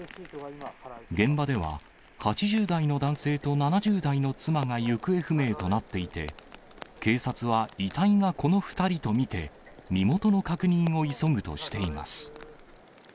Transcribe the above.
現場では８０代の男性と７０代の妻が行方不明となっていて、警察は遺体がこの２人と見て、身元の確認を急ぐとしています。